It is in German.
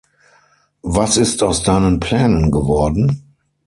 Was ist aus deinen Plänen geworden?